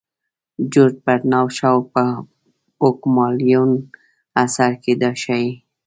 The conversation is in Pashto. جورج برنارد شاو په پوګمالیون اثر کې دا ښيي.